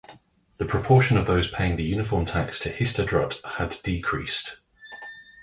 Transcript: The proportion of those paying the uniform tax to the Histadrut had decreased.